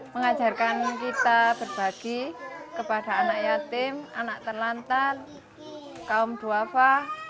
mengajarkan kita berbagi kepada anak yatim anak terlantar kaum duafa